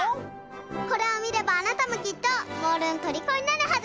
これをみればあなたもきっとモールのとりこになるはず！